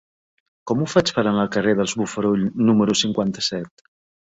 Com ho faig per anar al carrer dels Bofarull número cinquanta-set?